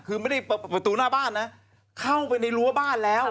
คือไม่ได้ประตูหน้าบ้านนะเข้าไปในรั้วบ้านแล้ว